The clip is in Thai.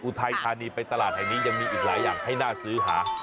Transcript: ทัยธานีไปตลาดแห่งนี้ยังมีอีกหลายอย่างให้น่าซื้อหา